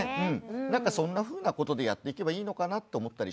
なんかそんなふうなことでやっていけばいいのかなって思ったりしました。